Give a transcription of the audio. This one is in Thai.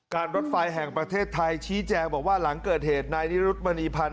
รถไฟแห่งประเทศไทยชี้แจงบอกว่าหลังเกิดเหตุนายนิรุธมณีพันธ